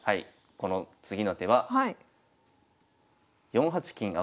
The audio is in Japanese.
この次の手は４八金上。